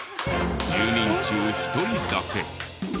１０人中１人だけ。